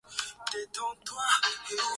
Shingo iliyofura